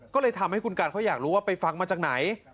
ก็เลยทำให้คุณกันเขาอยากรู้ว่าไปฟังมาจากไหน